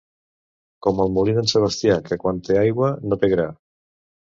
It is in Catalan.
Com el molí d'en Sebastià, que quan té aigua no té gra.